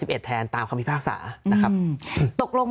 เพราะถ้าเข้าไปอ่านมันจะสนุกมาก